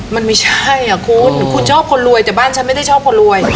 มันไม่ใช่อ่ะคุณคุณชอบคนรวยแต่บ้านฉันไม่ได้ชอบคนรวย